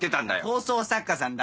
放送作家さんだって。